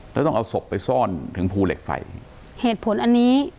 แล้วต้องเอาศพไปซ่อนถึงภูเหล็กไฟเหตุผลอันนี้